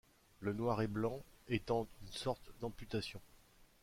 Le noir et blanc étant une sorte d'amputation.